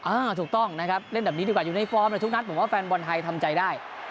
อ้าตรงต้องเล่นแบบนี้ดีกว่าอยู่ในฟอร์มแล้วและทุกครั้งผมว่าแฟนบอลไทยทำใจได้